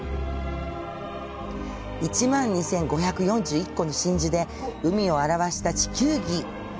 １万２５４１個の真珠で海を表した地球儀。